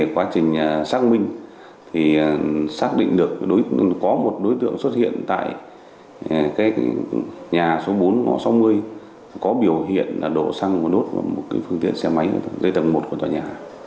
quá trình xác minh thì xác định được có một đối tượng xuất hiện tại nhà số bốn ngõ sáu mươi có biểu hiện đổ xăng và đốt vào một phương tiện xe máy dưới tầng một của tòa nhà